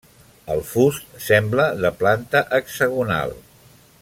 El fust sembla de planta hexagonal.